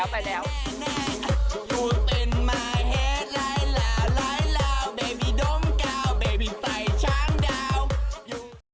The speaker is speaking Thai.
ไปแล้วไปแล้ว